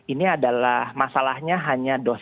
ini adalah masalahnya hanya dosen